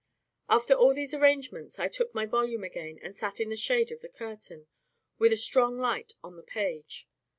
After all these arrangements I took my volume again, and sat in the shade of the curtain, with a strong light on the page.